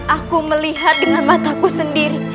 aku melihat dengan mataku sendiri